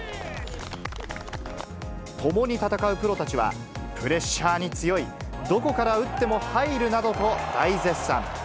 共に戦うプロたちは、プレッシャーに強い、どこから打っても入るなどと大絶賛。